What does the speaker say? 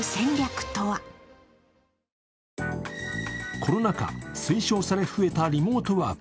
コロナ禍、推奨され、増えたリモートワーク。